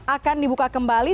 akan dibuka kembali